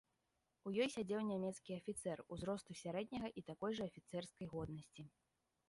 У ёй сядзеў нямецкі афіцэр, узросту сярэдняга і такой жа афіцэрскай годнасці.